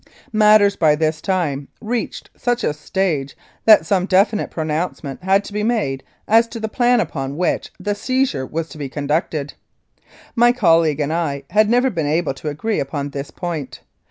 Matters by this time reached such a stage that some definite pronouncement had to be made as to the plan upon which the seizure was to be conducted. My col league and I had never been able to agree upon this point.